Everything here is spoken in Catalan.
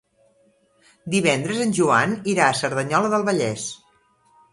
Divendres en Joan irà a Cerdanyola del Vallès.